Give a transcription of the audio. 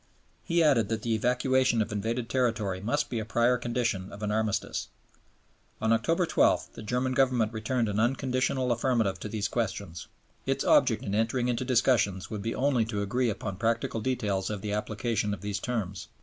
He added that the evacuation of invaded territory must be a prior condition of an Armistice. On October 12 the German Government returned an unconditional affirmative to these questions; "its object in entering into discussions would be only to agree upon practical details of the application of these terms."